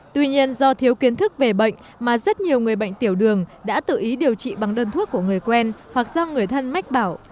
tuy nhiên do thiếu kiến thức về bệnh mà rất nhiều người bệnh tiểu đường đã tự ý điều trị bằng đơn thuốc của người quen hoặc do người thân mách bảo